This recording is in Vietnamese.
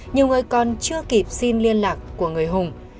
nhiều người còn chưa kịp xin liên lạc của người hùng